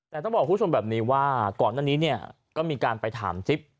แต่ต้องบอกคุณผู้ชมแบบนี้ว่าก่อนหน้านี้เนี่ยก็มีการไปถามจิ๊บ